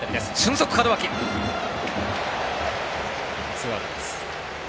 ツーアウトです。